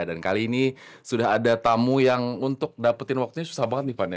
dan kali ini sudah ada tamu yang untuk dapetin waktunya susah banget nih van ya